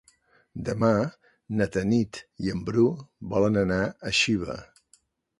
Demà na Tanit i en Bru volen anar a Xiva.